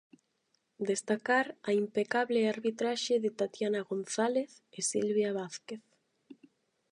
Destacar a impecable arbitraxe de Tatiana González e Silvia Vázquez.